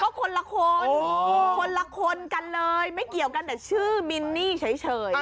ก็คนละคนคนละคนกันเลยไม่เกี่ยวกันแต่ชื่อมินนี่เฉย